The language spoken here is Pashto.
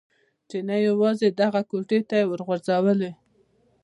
چې نه یوازې دغه کوټې يې و غورځولې.